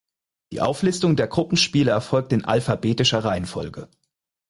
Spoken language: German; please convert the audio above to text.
Die Auflistung der Gruppenspiele erfolgt in alphabetischer Reihenfolge.